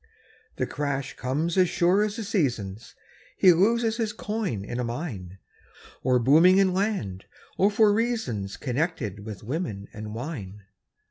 The crash comes as sure as the seasons; He loses his coin in a mine, Or booming in land, or for reasons Connected with women and wine.